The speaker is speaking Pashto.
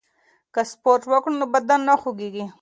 که سپورت وکړو نو بدن نه خوږیږي.